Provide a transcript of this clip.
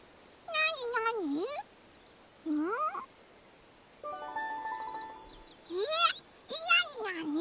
なになに？